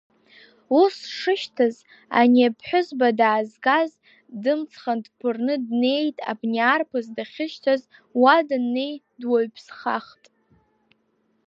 Ус дшышьҭаз, ани аԥҳәызба даазгаз, дымҵхан дԥырны днеит абни арԥыс дахьышьҭаз, уа даннеи дуаҩԥсхахт.